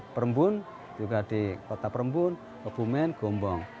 perembun juga di kota perembun kebumen gombong